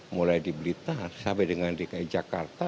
mulai di blitar sampai dengan dki jakarta